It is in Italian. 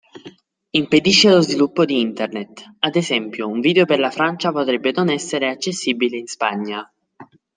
Impedisce lo sviluppo di internet, ad esempio un video per la Francia potrebbe non essere accessibile in Spagna.